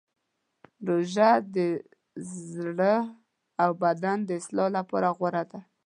روژه د زړه او بدن د اصلاح لپاره غوره ده.